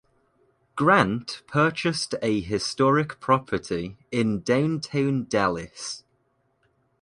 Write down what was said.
Grant purchased a historic property in downtown Dallas.